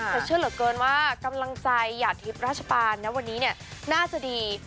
ฉันเชื่อเหลือเกินว่ากำลังใจอย่ากดิปรัชปัณฑ์ราชปัณฑ์ในวันนี้น่าจะดี